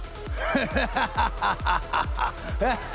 フハハハハ！